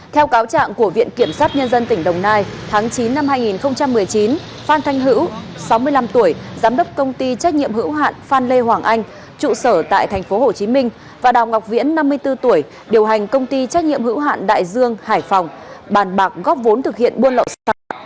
theo cáo trạng của viện kiểm sát nhân dân tỉnh đồng nai tháng chín năm hai nghìn một mươi chín phan thanh hữu sáu mươi năm tuổi giám đốc công ty trách nhiệm hữu hạn phan lê hoàng anh trụ sở tại tp hcm và đào ngọc viễn năm mươi bốn tuổi điều hành công ty trách nhiệm hữu hạn đại dương hải phòng bàn bạc góp vốn thực hiện buôn lộ